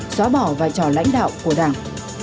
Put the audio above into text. xóa bỏ vai trò lãnh đạo của đảng